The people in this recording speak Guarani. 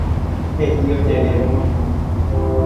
He'i ojerévo mama.